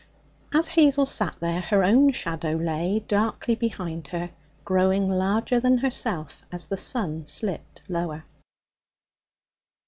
As Hazel sat there her own shadow lay darkly behind her, growing larger than herself as the sun slipped lower.